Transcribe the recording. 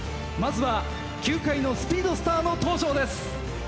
まずは球界のスピードスターの登場です。